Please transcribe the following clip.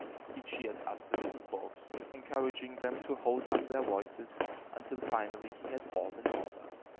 He cheered up the little folks, encouraging them to hold up their voices, until finally he had all in order.